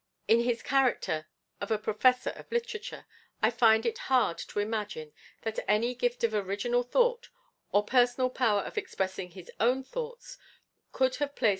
In his character of a Professor of literature I find it hard to imagine that any gift of original thought, or personal power of expressing his own thoughts, could have placed M.